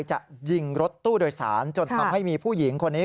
จะยิงรถตู้โดยสารจนทำให้มีผู้หญิงคนนี้